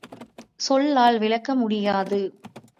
சொல்லால் விளக்க முடியாது.